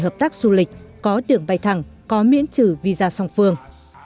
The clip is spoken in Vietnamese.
hợp tác du lịch có đường bay thẳng có miễn trừ visa song phương